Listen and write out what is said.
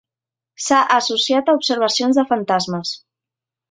S'ha associat a observacions de fantasmes.